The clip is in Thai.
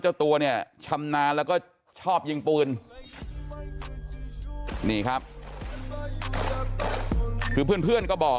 เจ้าตัวเนี่ยชำนาญแล้วก็ชอบยิงปืนนี่ครับคือเพื่อนเพื่อนก็บอก